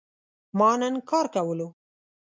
ما نن کار کولو